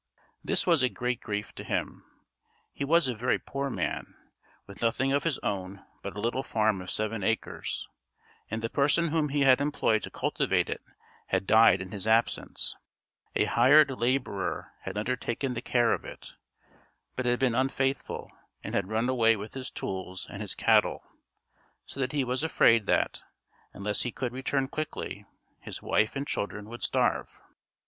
This was a great grief to him. He was a very poor man, with nothing of his own but a little farm of seven acres, and the person whom he had employed to cultivate it had died in his absence; a hired laborer had undertaken the care of it, but had been unfaithful, and had run away with his tools and his cattle, so that he was afraid that, unless he could return quickly, his wife and children would starve.